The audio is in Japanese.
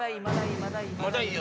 まだいい！